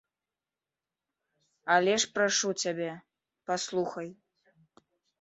Але ж прашу цябе, паслухай.